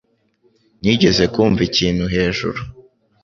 Nigeze kumva ikintu hejuru